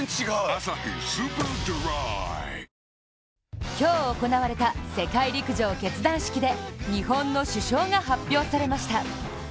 「アサヒスーパードライ」今日行われた世界陸上結団式で日本の主将が発表されました。